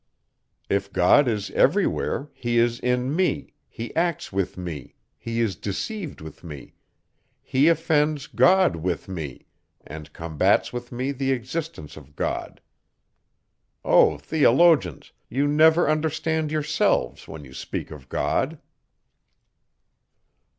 If God is every where, he is in me, he acts with me, he is deceived with me, he offends God with me, and combats with me the existence of God! O theologians! you never understand yourselves, when you speak of God.